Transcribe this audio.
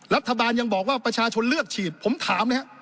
รัฐบาลยังบอกว่าประชาชนเลือกฉีดผมถามเลยฮะ